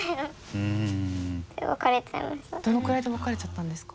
どのくらいで別れちゃったんですか？